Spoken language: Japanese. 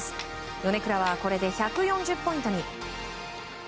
米倉はこれで１４０ポイントに。